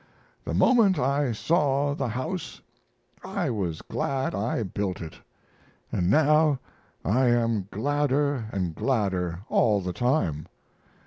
The moment I saw the house I was glad I built it, & now I am gladder & gladder all the time.